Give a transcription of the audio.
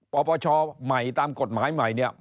ปปชตามกฎหมายใหม่